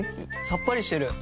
さっぱりしてる！